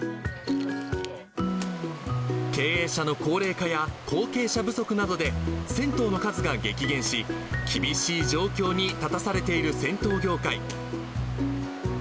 経営者の高齢化や、後継者不足などで、銭湯の数が激減し、厳しい状況に立たされている銭湯業界。